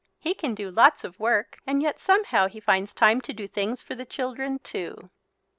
He can do lots of work and yet somehow he finds time to do things for the children too.